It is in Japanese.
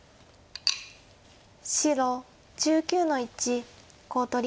白１９の一コウ取り。